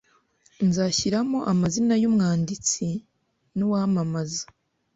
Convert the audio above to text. Nzashyiramo amazina yumwanditsi nuwamamaza.